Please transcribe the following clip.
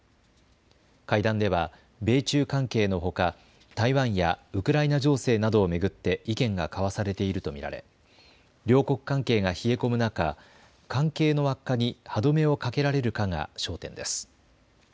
会談では米中関係のほか台湾やウクライナ情勢などを巡って意見が交わされていると見られ、両国関係が冷え込む中、関係の悪化に歯止めをかけられるかが焦点です。